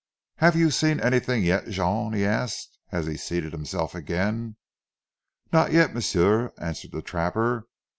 "Have you seen anything yet, Jean?" he asked as he seated himself again. "Not yet, m'sieu," answered the trapper.